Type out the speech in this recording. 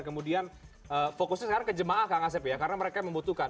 kemudian fokusnya sekarang ke jemaah kang asep ya karena mereka membutuhkan